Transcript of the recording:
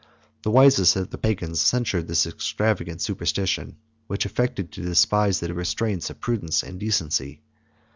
The wisest of the Pagans censured this extravagant superstition, which affected to despise the restraints of prudence and decency.